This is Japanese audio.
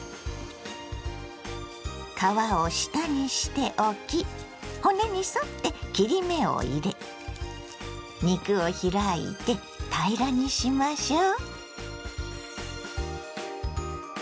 皮を下にして置き骨に沿って切り目を入れ肉を開いて平らにしましょう。